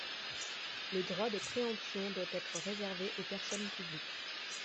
Le droit de préemption doit être réservé aux personnes publiques.